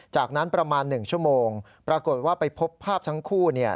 จากนั้นประมาณ๑ชั่วโมงปรากฏว่าไปพบภาพทั้งคู่